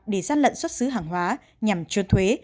để gian lận xuất xứ hàng hóa nhằm trôn thuế